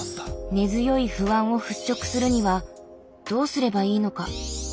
根強い不安を払しょくするにはどうすればいいのか？